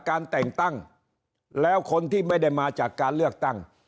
การแต่งตั้งแล้วคนที่ไม่ได้มาจากการเลือกตั้ง